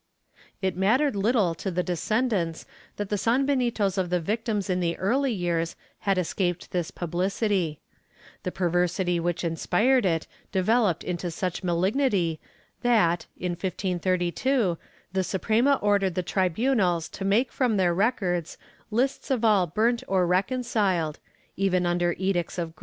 ^ It mattered little to the descendants that the sanbenitos of the victims in the early years had escaped this publicity. The per versity which inspired it developed into such malignity that, in 1532, the Suprema ordered the tribunals to make from their records lists of all burnt or reconciled, even under Edicts of Grace, and > Carbonell de Gest.